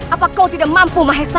apa kau tidak mampu mahesa